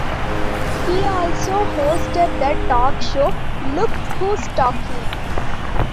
He also hosted the talk show "Look Who's Talking".